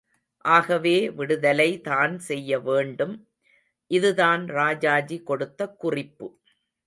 ஆகவே விடுதலை தான் செய்யவேண்டும். இதுதான் ராஜாஜி கொடுத்த குறிப்பு.